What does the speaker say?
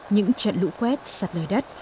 những trận lũ quét sặt lời đất